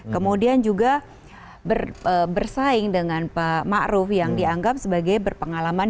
kemudian juga bersaing dengan pak ⁇ maruf ⁇ yang dianggap sebagai berpengalaman